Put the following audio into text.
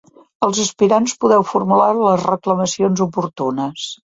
Els aspirants podeu formular les reclamacions oportunes.